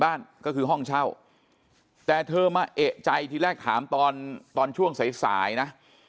บ้านก็คือห้องเช่าแต่เธอมาเอกใจทีแรกถามตอนตอนช่วงสายสายนะ